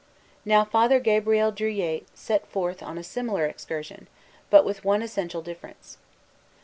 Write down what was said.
Now Father Gabriel Druilletes sets forth on a similar excursion, but with one essential difference.